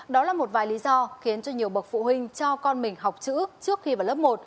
đó là một vài lý do khiến cho nhiều bậc phụ huynh cho con mình học chữ trước khi vào lớp một